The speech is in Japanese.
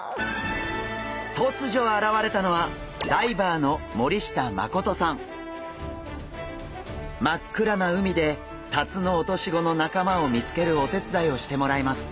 とつじょ現れたのは真っ暗な海でタツノオトシゴの仲間を見つけるお手伝いをしてもらいます。